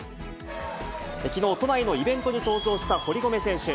きのう、都内のイベントに登場した堀米選手。